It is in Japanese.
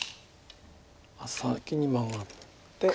先にマガって。